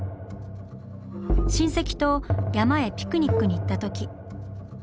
親戚と山へピクニックに行ったとき。